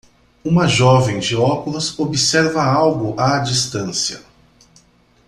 Uma jovem de óculos observa algo à distância.